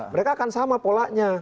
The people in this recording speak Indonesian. mereka akan sama polanya